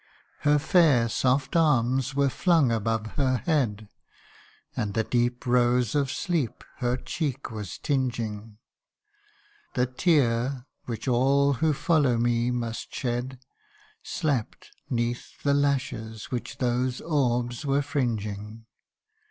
Her fair soft arms were flung above her head, And the deep rose of sleep her cheek was tinging : The tear which all who follow me must shed, Slept 'neath the lashes which those orbs were fringing.